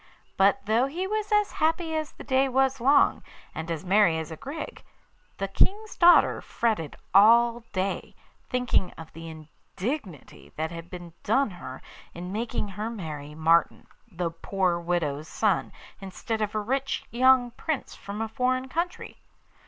But though he was as happy as the day was long, and as merry as a grig, the King's daughter fretted all day, thinking of the indignity that had been done her in making her marry Martin, the poor widow's son, instead of a rich young Prince from a foreign country.